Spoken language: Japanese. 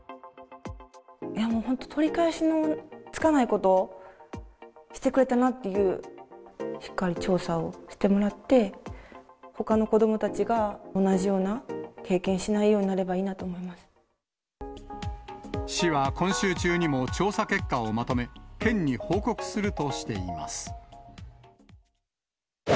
いやもう本当、取り返しのつかないことをしてくれたなっていう、しっかり調査をしてもらって、ほかの子どもたちが同じような経験しないようになればいいなと思市は今週中にも調査結果をまとめ、県に報告するとしています。